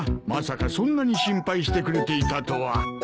まさかそんなに心配してくれていたとは。